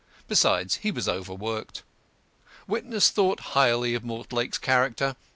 Besides, he was overworked. Witness thought highly of Mortlake's character.